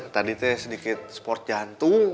tadi sedikit sport jantung